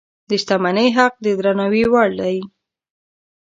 د شتمنۍ حق د درناوي وړ دی.